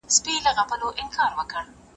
که انلاین منابع وي، زده کوونکي ځان بسیا کېږي.